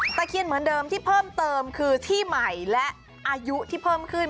เคียนเหมือนเดิมที่เพิ่มเติมคือที่ใหม่และอายุที่เพิ่มขึ้น